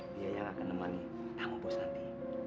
dia yang akan menemani tamu bos nanti